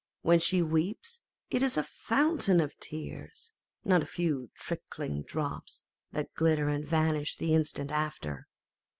When she weeps, it is a fountain of tears, not a few trickling drops that glitter and vanish the instant after.